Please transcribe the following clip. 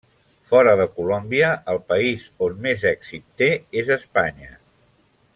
Fora de Colòmbia, el país on més èxit té és Espanya.